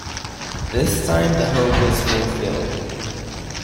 This time the hope was fulfilled.